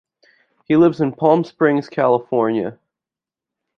He lives in Palm Springs, California.